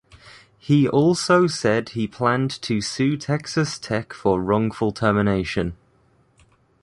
He also said he planned to sue Texas Tech for wrongful termination.